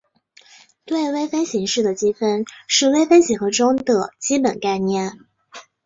对微分形式的积分是微分几何中的基本概念。